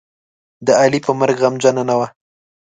د علي په مرګ غمجنـه نه وه.